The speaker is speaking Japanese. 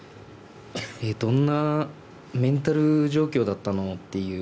どんなメンタル状況だったの？